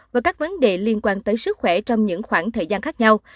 và các vấn đề liên quan tới sức khỏe trong những khoảng thời gian khác nhau